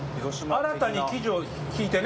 新たに生地を敷いてね？